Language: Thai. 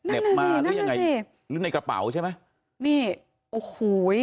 เหน็บมาหรือยังไงหรือในกระเป๋าใช่ไหม